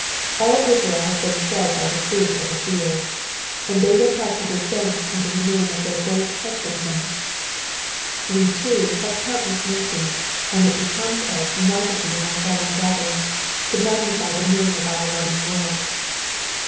All Israel ad been fed by the fruit of the field, and they went up to give thanks unto the name of their great Husbandman : we, too, have countless mercies, and it becomes us unitedly in our solemn gatherings to magnify the name of our loving Lord.